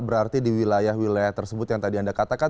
berarti di wilayah wilayah tersebut yang tadi anda katakan